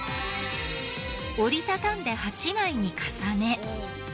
折り畳んで８枚に重ね。